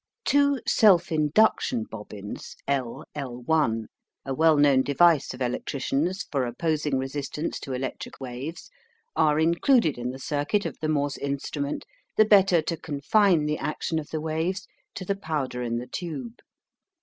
Two "self induction bobbins," L Ll, a well known device of electricians for opposing resistance to electric waves, are included in the circuit of the Morse instrument the better to confine the action of the waves to the powder in the tube.